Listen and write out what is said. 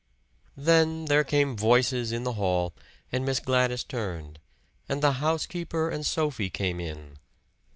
Then there came voices in the hall, and Miss Gladys turned, and the housekeeper and Sophie came in.